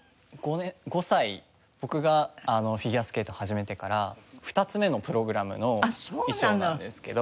僕がフィギュアスケートを始めてから２つ目のプログラムの衣装なんですけど。